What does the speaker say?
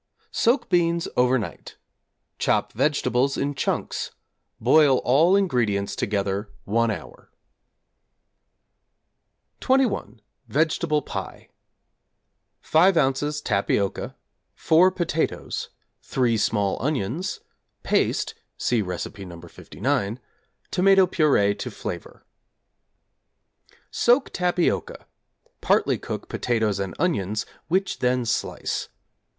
Soak beans overnight; chop vegetables in chunks; boil all ingredients together 1 hour. =21. Vegetable Pie= 5 ozs. tapioca, 4 potatoes, 3 small onions, paste, (see Recipe No. 59), tomato purée to flavor. Soak tapioca. Partly cook potatoes and onions, which then slice.